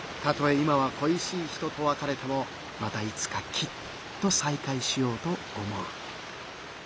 今はこいしい人とわかれてもまたいつかきっとさい会しようと思う」。